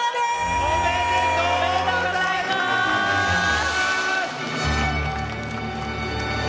おめでとうございます！